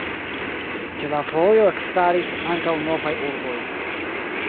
Ĉe la vojo ekstaris ankaŭ novaj urboj.